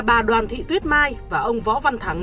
bà đoàn thị tuyết mai và ông võ văn thắng